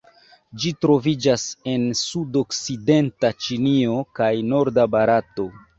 Ĝi troviĝas en sudokcidenta Ĉinio kaj norda Barato.